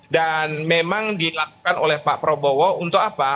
dan memang dilakukan oleh pak prabowo untuk apa